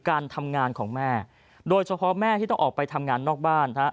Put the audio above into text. การทำงานของแม่โดยเฉพาะแม่ที่ต้องออกไปทำงานนอกบ้านฮะ